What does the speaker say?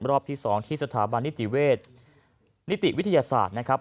รอบที่๒ที่สถาบันนิติเวชนิติวิทยาศาสตร์นะครับ